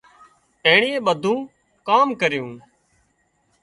اينڻي ٻڌُونئي ڪام ڪريُون